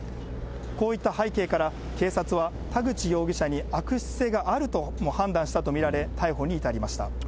こういった背景から、警察は田口容疑者に悪質性があると判断したと見られ、逮捕に至りました。